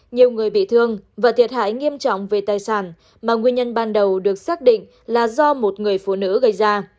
nhiều người bị thương và thiệt hại nghiêm trọng về tài sản mà nguyên nhân ban đầu được xác định là do một người phụ nữ gây ra